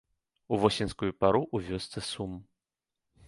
У восеньскую пару ў вёсцы сум.